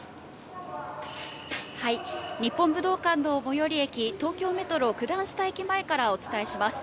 日本武道館の最寄り駅、東京メトロ九段下前駅からお伝えします。